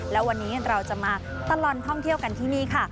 และวันนี้เราจะมาตลอดท่องเที่ยวกันที่นี่ค่ะ